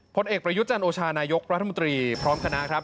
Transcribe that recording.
พลประยุจรรย์โอชารยกรัฐมนตรีพร้อมคณะครับ